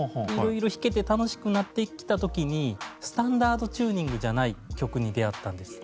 色々弾けて楽しくなってきた時にスタンダードチューニングじゃない曲に出会ったんです。